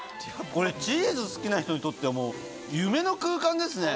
これチーズ好きな人にとってはもう夢の空間ですね。